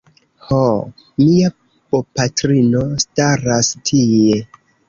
Ho... mia bopatrino staras tie